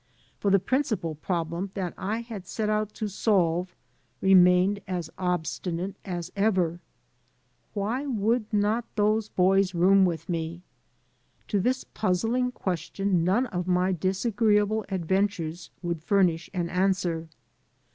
For the principal problem that I had set out to solve re mained as obstinate as ever. Why would not those boys room with me? To this puzzling question none of my disagreeable adventures would furnish an answer.